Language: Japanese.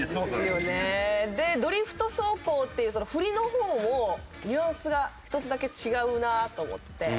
で「ドリフト走行」っていう振りの方もニュアンスが１つだけ違うなと思って。